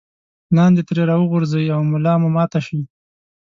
لاندې ترې راوغورځئ او ملا مو ماته شي.